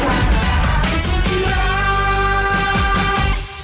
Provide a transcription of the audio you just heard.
ในช่วงนี้ก็ถึงเวลากับศึกแห่งศักดิ์ศรีของฝ่ายชายกันบ้างล่ะครับ